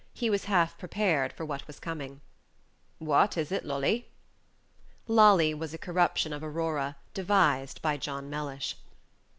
He was half prepared for what was coming. "What is it, Lolly?" Lolly was a corruption of Aurora, devised by John Mellish.